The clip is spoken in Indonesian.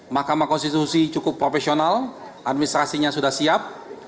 mahkamah konstitusi cukup profesional administrasinya sudah siap